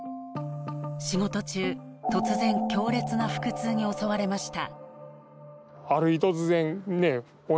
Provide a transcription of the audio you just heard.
仕事中突然強烈な腹痛に襲われました。